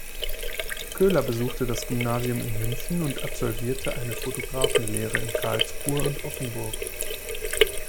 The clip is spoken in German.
Köhler besuchte das Gymnasium in München und absolvierte eine Fotografenlehre in Karlsruhe und Offenburg.